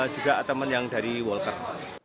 juga teman yang dari walker